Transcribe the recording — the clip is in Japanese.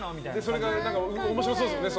それが面白そうですよね